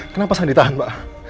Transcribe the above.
kenapa saya ditahan pak